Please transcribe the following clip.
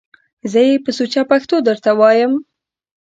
زه یې په سوچه پښتو درته وایم!